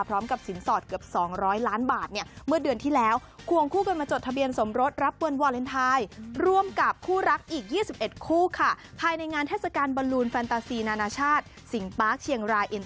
พร้อมกับสินสอดเกือบสองร้อยล้านบาทเนี่ย